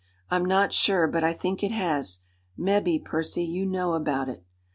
"I'm not sure; but I think it has. Mebbe, Percy, you know about it."